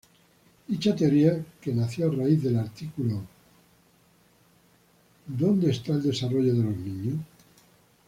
Dicha teoría, que nació a raíz del artículo ""Where is the child's environment?